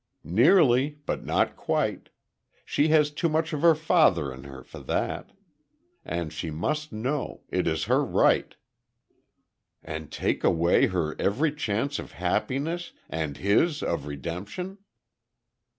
"Nearly; but not quite. She has too much of her father in her for that. And she must know. It is her right." "And take away her every chance of happiness and his of redemption."